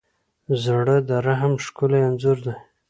زړه د رحم ښکلی انځور دی.